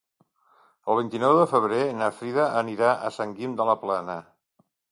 El vint-i-nou de febrer na Frida anirà a Sant Guim de la Plana.